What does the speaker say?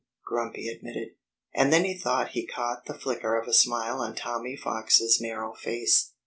Grumpy admitted. And then he thought he caught the flicker of a smile on Tommy Fox's narrow face.